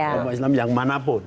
kelompok islam yang manapun